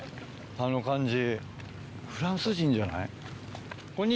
あの感じ。